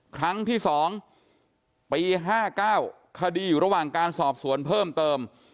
ครั้งที่๒ปี๕๙คดีอยู่ระหว่างการสอบสวนเพิ่มเติม